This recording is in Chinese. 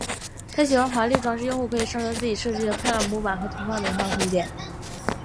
对于喜欢华丽装饰的用户还可以上传自己设计的漂亮模板和图片美化空间。